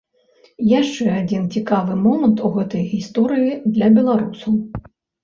Яшчэ адзін цікавы момант у гэтай гісторыі для беларусаў.